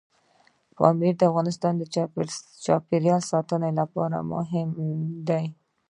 پامیر د افغانستان د چاپیریال ساتنې لپاره مهم دي.